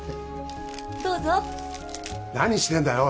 どうぞ何してんだよ？